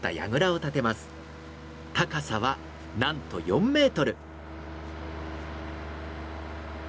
高さはなんと４メートル！